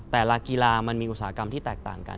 แต่ละกีฬามันมีอุตสาหกรรมที่แตกต่างกัน